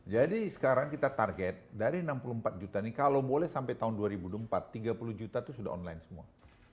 jadi sekarang kita target dari enam puluh empat juta ini kalau boleh sampai tahun dua ribu empat tiga puluh juta itu sudah online semua